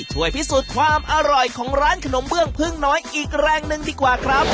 ช่วยพิสูจน์ความอร่อยของร้านขนมเบื้องพึ่งน้อยอีกแรงหนึ่งดีกว่าครับ